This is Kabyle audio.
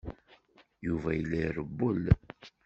Yuba yella irewwel.